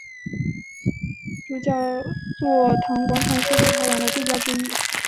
主教座堂广场是立陶宛的地标之一。